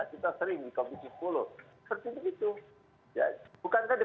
masalah mengatakan anak anak ada dia